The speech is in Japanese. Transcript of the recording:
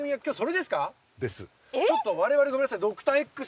ちょっと我々ごめんなさい。